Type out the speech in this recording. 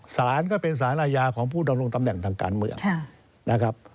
สารก็เป็นสารายาของผู้ดองรุงตำแหน่งต่างการเมือง